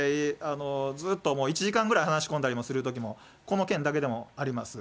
ずっともう１時間ぐらい話し込んだりするときも、この件だけでもあります。